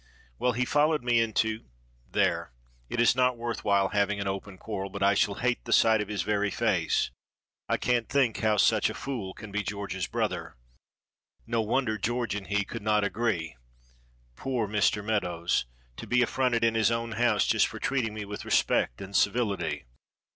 "Well, he followed me into there, it is not worth while having an open quarrel, but I shall hate the sight of his very face. I can't think how such a fool can be George's brother. No wonder George and he could not agree. Poor Mr. Meadows to be affronted in his own house, just for treating me with respect and civility.